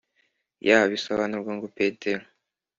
Yh bisobanurwa ngo Petero